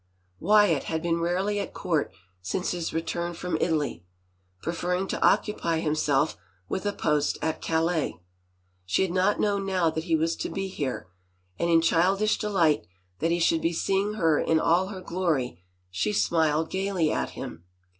Wyatt had been rarely at court since his return from Italy, preferring to occupy himself with a post at Calais. She had not known now that he was to be here, and in childish delight that he should be seeing her in all her glory she smiled gayly at him.